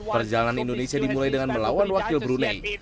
perjalanan indonesia dimulai dengan melawan wakil brunei